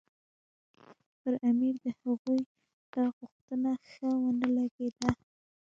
پر امیر د هغوی دا غوښتنه ښه ونه لګېده.